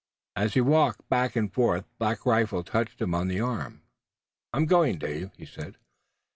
As he walked back and forth Black Rifle touched him on the arm. "I'm going, Dave," he said.